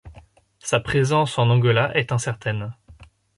Sa présence en Angola est incertaine.